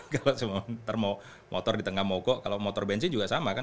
kalau motor di tengah mogok kalau motor bensin juga sama kan